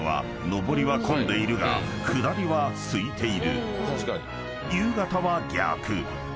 ［下りは混んでいるが上りはすいている］